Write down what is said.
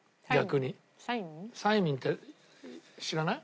サイミンって知らない？